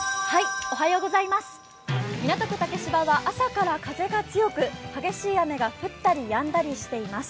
港区竹芝は朝から風が強く、激しい雨が降ったりやんだりしています。